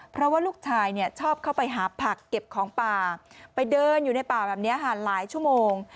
เพราะว่าลูกชายชอบเข้าไปหาผักเก็บของป่าไปเดินอยู่ในป่าแบบนี้หลายชั่วโมง